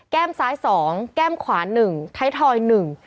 ซ้ายสองแก้มขวาหนึ่งไทยทอยหนึ่ง